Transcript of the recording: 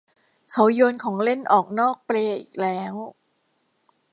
เขาโยนของเล่นออกนอกเปลอีกแล้ว